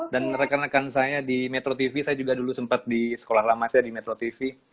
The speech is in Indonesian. rekan rekan saya di metro tv saya juga dulu sempat di sekolah lama saya di metro tv